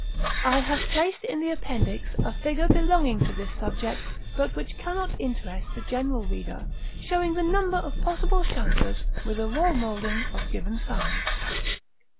I have placed in the Appendix a figure belonging to this subject, but which cannot interest the general reader, showing the number of possible chamfers with a roll moulding of given size.